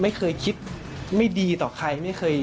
ไม่เคยคิดไม่ดีต่อใคร